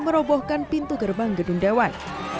merobohkan pintu gerbang gedung dewan